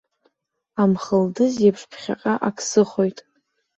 Амхылдыз еиԥш ԥхьаҟа ак сыхоит.